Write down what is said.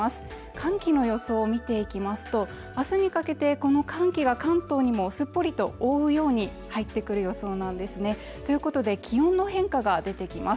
寒気の予想見ていきますとあすにかけてこの寒気が関東にもすっぽりと覆うように入ってくる予想なんですねということで気温の変化が出てきます